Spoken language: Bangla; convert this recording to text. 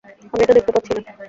আমি এটা দেখতে পাচ্ছি না।